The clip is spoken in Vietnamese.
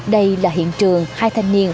đây là hiện trường hai thanh niên